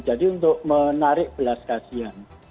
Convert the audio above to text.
jadi untuk menarik belas kasihan